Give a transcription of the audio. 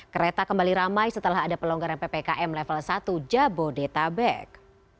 kereta kembali ramai setelah ada pelonggaran ppkm level satu jabodetabek